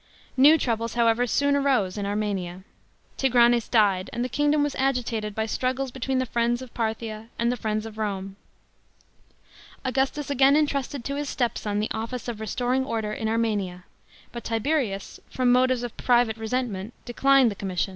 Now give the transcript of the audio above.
New troubles, however, soon arose in Armenia. Tigranes died, and the kingdom was agitated by struggles between the friends of Parthia and the friends of Rome. Augustus again entrusted to his stepson the office of restoring order in Armenia ; but Tiberius, from motives of private resentment, declined the commission (6 B.